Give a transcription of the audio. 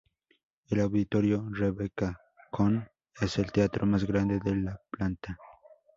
El Auditorio Rebecca Cohn es el teatro más grande de la planta.